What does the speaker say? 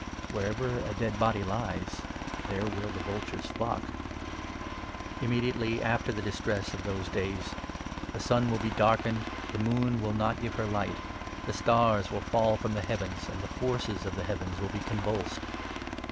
Wherever a dead body lies, 28 'there will the vultures flock.' Immediately after the 29 distress of those days, ' the sun will be darkened, the moon will not give her light, the stars will fall from the heavens,' and ' the forces of the heavens will be convulsed.